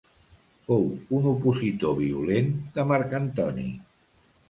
Fou un opositor violent de Marc Antoni.